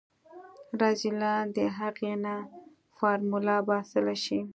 رذيلان د اغې نه فارموله باسلی شي.